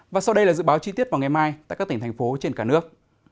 và sau đây là dự báo chi tiết vào ngày mai tại các tỉnh thành phố trên cả nước